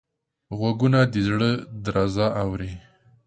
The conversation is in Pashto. غوږونه د زړه درزا اوري